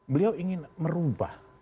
beliau ingin merubah